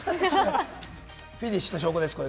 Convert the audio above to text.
フィニッシュという証拠です。